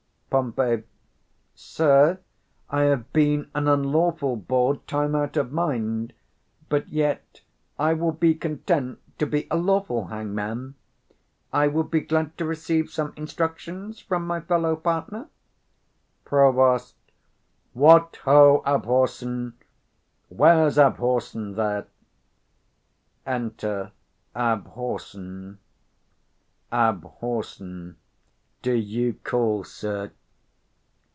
Pom. Sir, I have been an unlawful bawd time out of mind; but yet I will be content to be a lawful hangman. I would be glad to receive some instruction from my fellow 15 partner. Prov. What, ho! Abhorson! Where's Abhorson, there? Enter ABHORSON. Abhor. Do you call, sir?